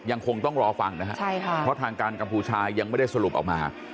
ยังคงต้องรอฟังนะครับเพราะทางการกัมพูชายังไม่ได้สรุปออกมา